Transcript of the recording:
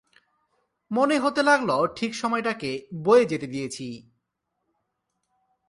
মনে হতে লাগল ঠিক সময়টাকে বয়ে যেতে দিয়েছি।